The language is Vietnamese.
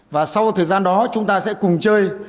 và sau thời gian đó chúng ta sẽ cùng chơi